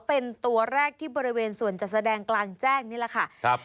เป็นตัวแรกที่บริเวณส่วนจัดแสดงกลางแจ้งนี่แหละค่ะครับ